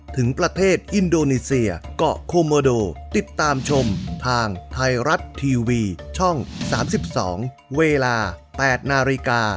ถึงประเทศอินโดนีเซียเกาะโคโมโดติดตามชมทางไทยรัฐทีวีช่อง๓๒เวลา๘นาฬิกา